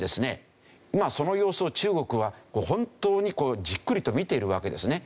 まあその様子を中国は本当にこうじっくりと見ているわけですね。